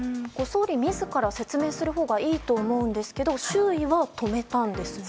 総理自ら説明するほうがいいと思うんですけど周囲は止めたんですね。